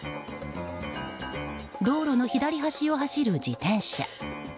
道路の左端を走る自転車。